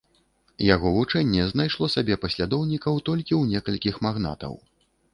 Яго вучэнне знайшло сабе паслядоўнікаў толькі ў некалькіх магнатаў.